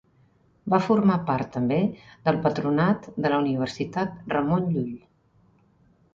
Va formar part també del patronat de la Universitat Ramon Llull.